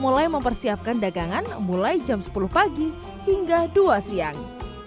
mulai mempersiapkan dagangan mulai jam sepuluh pagi hingga dua siang